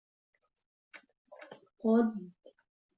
• Tinch harakatlangan uzoqqa yetadi.